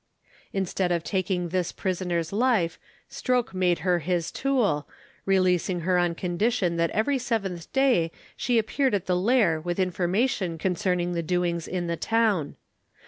Instead of taking this prisoner's life, Stroke made her his tool, releasing her on condition that every seventh day she appeared at the Lair with information concerning the doings in the town.